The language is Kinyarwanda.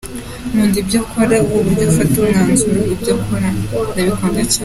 Nkunda ibyo akora, uburyo afata umwanzuro, ibyo akora ndabikunda cyane.